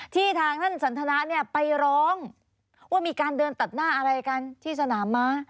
ทางท่านสันทนาเนี่ยไปร้องว่ามีการเดินตัดหน้าอะไรกันที่สนามม้า